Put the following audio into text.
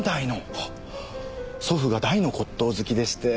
祖父が大の骨董好きでして。